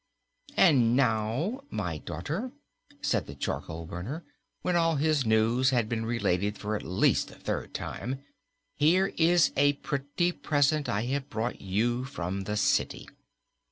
"And now, my daughter," said the charcoalburner, when all his news had been related for at least the third time, "here is a pretty present I have brought you from the city."